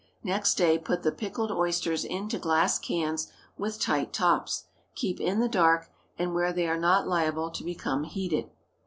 Next day put the pickled oysters into glass cans with tight tops. Keep in the dark, and where they are not liable to become heated.